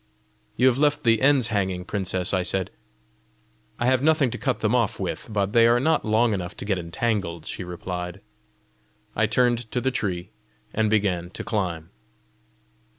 "You have left the ends hanging, princess!" I said. "I have nothing to cut them off with; but they are not long enough to get entangled," she replied. I turned to the tree, and began to climb.